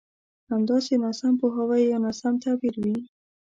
همداسې ناسم پوهاوی يا ناسم تعبير وي.